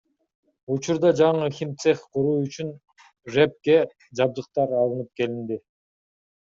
Учурда жаңы химцех куруу үчүн ЖЭБге жабдыктар алынып келинди.